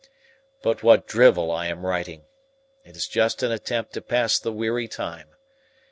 But what drivel I am writing! It is just an attempt to pass the weary time.